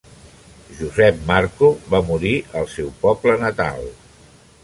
Josep Marco va morir al seu poble natal.